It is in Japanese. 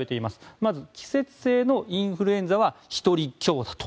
まず季節性のインフルエンザは１人強だと。